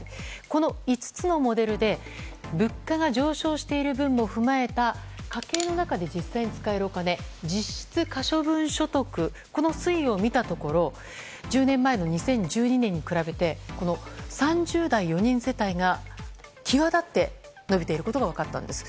この５つのモデルで物価が上昇している分も踏まえた家計の中で実際に使えるお金実質可処分所得の推移を見たところ１０年前の２０１２年に比べて３０代４人世帯が際立って伸びていることが分かったんです。